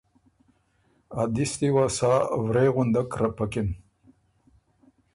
ا دِستی وه سا ورې غُندک رپکِن۔